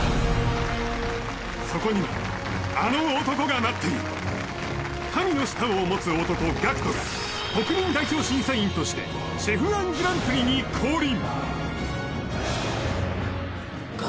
そこにはあの男が待っている神の舌を持つ男・ＧＡＣＫＴが国民代表審査員としてＣＨＥＦ−１グランプリに降臨！